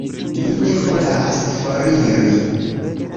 Mi ne volas foriri.